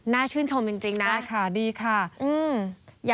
น่าชื่นชมจริงนะค่ะดีค่ะอยากบอก